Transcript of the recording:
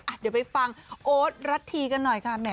เดี๋ยวไปฟังโอ๊ตรรัฐทีกันหน่อยค่ะ